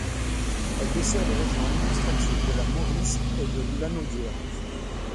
Elle dessert les régions administratives de la Mauricie et de Lanaudière.